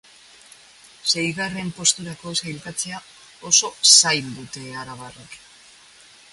Seigarren posturako sailkatzea oso zail dute arabarrek.